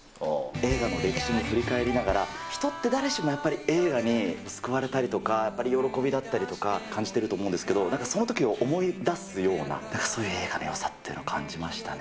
映画の歴史を振り返りながら、人って誰しもやっぱり、映画に救われたりとか、やっぱり喜びだったりとか感じてると思うんですけれども、なんか、そのときを思い出すような、そういう映画のよさっていうのを感じましたね。